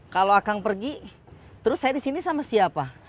kalau akang pergi terus saya di sini sama siapa